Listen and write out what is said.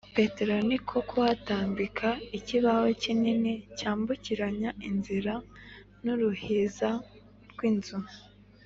petero niko kuhatambika ikibaho kinini; cyambukiranya inzira n'uruhiza rw'inzu,